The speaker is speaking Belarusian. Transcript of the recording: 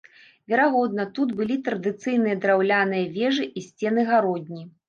Верагодна, тут былі традыцыйныя драўляныя вежы і сцены-гародні.